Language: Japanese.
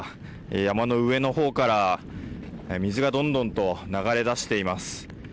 山の上のほうから水が、どんどんと流れ出しています。